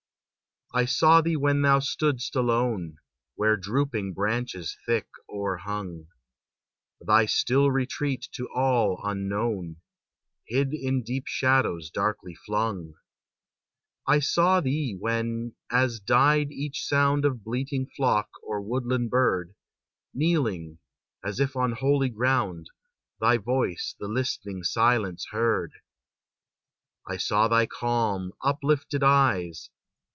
I saw thee when thou stood'st alone, Where drooping branches thick o'erkung, Thy still retreat to all unknown, Hid in deep shadows darkly flung. I saw thee when, as died each sound Of bleating flock or woodland bird, Kneeling, as if on holy ground, Thy voice the listening silence heard. I saw thy calm, uplifted eyes.